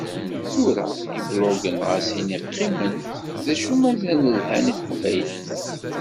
Tura iblugen ɣas ini qqimen, d acu mazal lhan i teqbaylit.